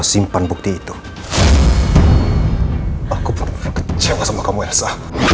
sayang aku bisa jelasin semuanya